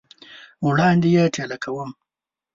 وړاندي یې ټېله کوم !